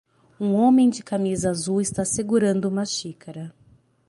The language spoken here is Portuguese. Um homem de camisa azul está segurando uma xícara